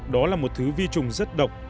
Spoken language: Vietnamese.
đó là một thứ vi trùng rất độc